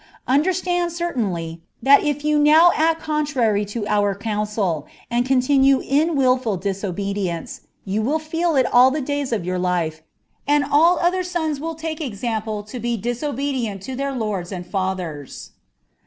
Understand certainly, that if you now act nirary to our counsel, and continue in wilful disobedience, you will feel it all e days of your life, and all other sons will take example to be disobedient to eir lords and ikthrrs."